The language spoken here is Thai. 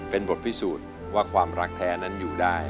เป็นบทพิสูจน์ว่าความรักแท้นั้นอยู่ได้